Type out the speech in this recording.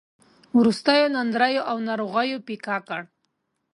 د وروستیو ناندریو او ناروغیو پېکه کړ.